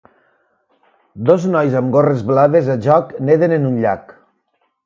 Dos nois amb gorres blaves a joc neden en un llac.